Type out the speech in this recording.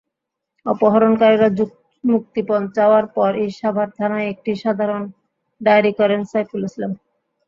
অপহরণকারীরা মুক্তিপণ চাওয়ার পরই সাভার থানায় একটি সাধারণ ডায়েরি করেন সাইফুল ইসলাম।